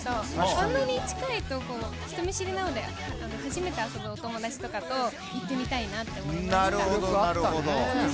あんなに近いと、人見知りなので初めて遊ぶお友達とかと行ってみたいと思いました。